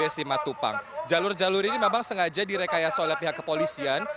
jalan pelopor ini memang sengaja direkayas oleh pihak kepolisian